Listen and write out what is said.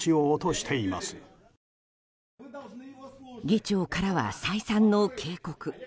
議長からは再三の警告。